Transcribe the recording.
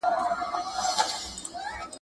هغه ښار ته لومړی پخپله ننوت.